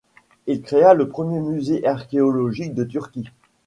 Il créa le premier musée archéologique de Turquie.